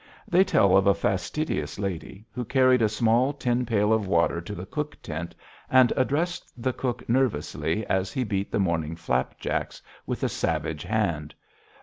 They tell of a fastidious lady who carried a small tin pail of water to the cook tent and addressed the cook nervously as he beat the morning flapjacks with a savage hand.